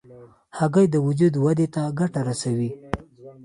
هګۍ د وجود ودې ته ګټه رسوي.